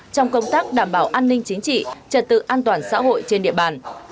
trong công tác đảm bảo an ninh chính trị trật tự an toàn xã hội trên địa bàn